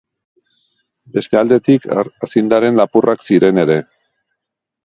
Beste aldetik aziendaren lapurrak ziren ere.